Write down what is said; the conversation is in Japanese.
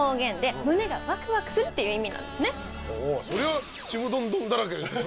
そりゃあちむどんどんだらけでしょ